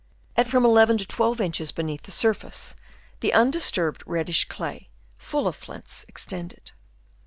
At from 11 to 12 inches beneath the surface, the undisturbed reddish clay, full of flints, extended.